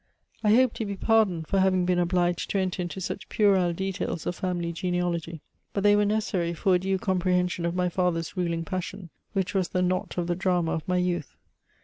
I hope to be pardoned for having been obliged to enter into such puerile details of family genealogy, but they were necessary for a due comprehension of my father's ruling passion, which was the knot of the drama of my youth.